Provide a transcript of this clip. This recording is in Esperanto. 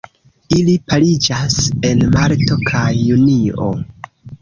Ili pariĝas en marto kaj junio.